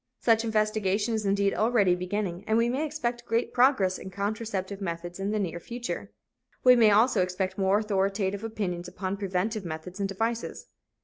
Such investigation is indeed already beginning and we may expect great progress in contraceptive methods in the near future. We may also expect more authoritative opinions upon preventive methods and devices.